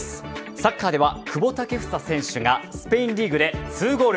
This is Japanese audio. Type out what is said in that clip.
サッカーでは、久保建英選手がスペインリーグで２ゴール。